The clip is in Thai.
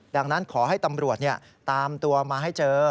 ดังนั้นขอให้ตำรวจตามตัวมาให้เจอ